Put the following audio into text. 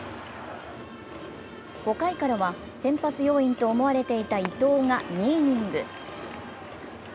５回からは先発要員と思われていた伊藤が２イニング。